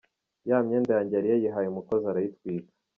Ya myenda yanjye yari yayihaye umukozi arayitwika.